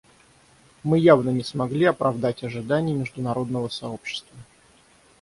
Мы явно не смогли оправдать ожиданий международного сообщества.